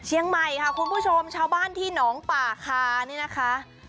เชียงใหม่ค่ะคุณผู้ชมชาวบ้านที่หนองป่าคานี่นะคะ